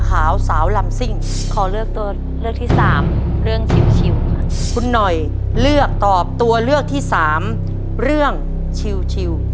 คุณหน่อยเลือกตอบตัวเลือกที่สามเรื่องชิว